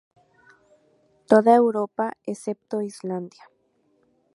Toda Europa, excepto Islandia.